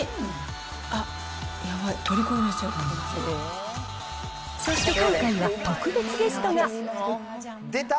あっ、やばい、そして今回は特別ゲストが。